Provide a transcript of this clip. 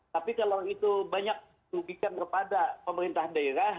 tapi kalau itu banyak rugikan kepada pemerintah daerah